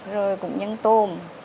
rồi cũng những tôm